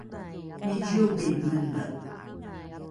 niciobi mene